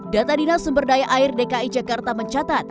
data dinas sumber daya air dki jakarta mencatat